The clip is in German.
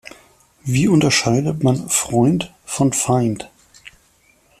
Wie unterscheidet man Freund von Feind?